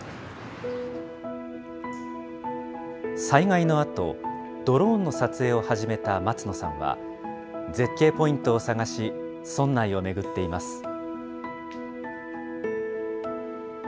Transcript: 災害のあと、ドローンの撮影を始めた松野さんは、絶景ポイントを探し、村内を巡っています。